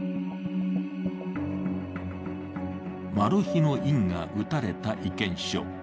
マル秘の印が打たれた意見書。